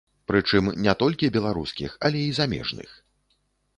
Прычым не толькі беларускіх, але і замежных.